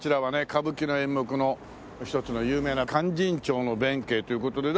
歌舞伎の演目の一つの有名な『勧進帳』の弁慶という事で。